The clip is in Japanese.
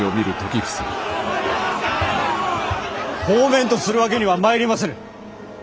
放免とするわけにはまいりませぬ。